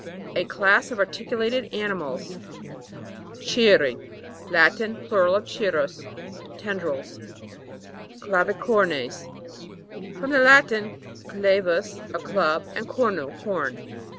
A class of articulated ani mals. CIR'RI. Latin, plural of cirrus. Tendrils. CLAVICOR'NES. From the Latin, cla vus, a club, and cornu, horn.